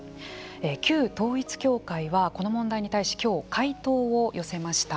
旧統一教会はこの問題に対し今日、回答を寄せました。